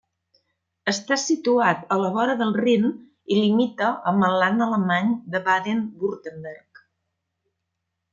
Està situat a la vora del Rin i limita amb el land alemany de Baden-Württemberg.